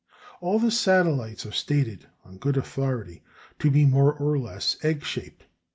All the satellites are stated, on good authority, to be more or less egg shaped.